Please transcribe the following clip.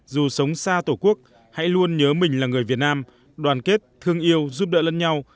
dù sống xa tổ quốc hãy luôn nhớ mình là người việt nam đoàn kết thương yêu giúp đỡ lẫn nhau